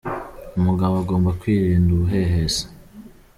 Umugabo agomba kwirinda ubuhehesi